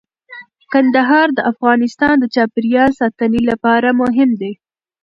کندهار د افغانستان د چاپیریال ساتنې لپاره مهم دی.